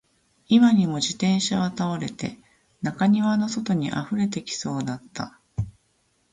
今にも自転車は倒れて、中庭の外に溢れてきそうだった